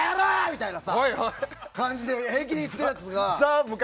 みたいな感じで平気で言ってるやつが。